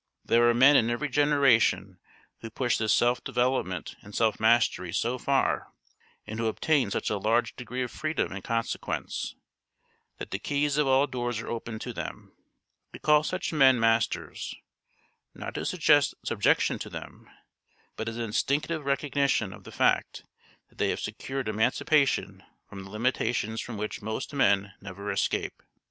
There are men in every generation who push this self development and self mastery so far, and who obtain such a large degree of freedom in consequence, that the keys of all doors are open to them. We call such men masters, not to suggest subjection to them, but as an instinctive recognition of the fact that they have secured emancipation from the limitations from which most men never escape.